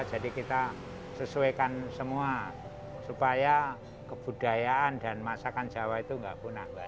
jadi kita sesuaikan semua supaya kebudayaan dan masakan jawa itu gak pun nambah